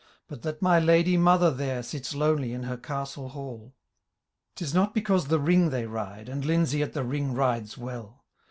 But that my ladye mother there .Sits lonely in her castle hall. " Tis not because the ring they ride, And Lindesay at the ring rides well.